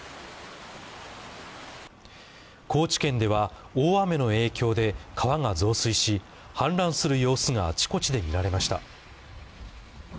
高知県では大雨の影響で川が増水し、氾濫する様子があちこちで見られました。